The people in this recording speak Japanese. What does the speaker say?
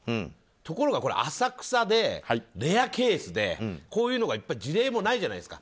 ところがこれ浅草でレアケースでこういうのが事例もないじゃないですか。